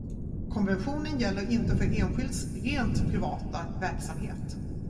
Konventionen gäller inte för enskilds rent privata verksamhet.